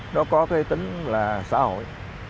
nó có thuê tính là xã hội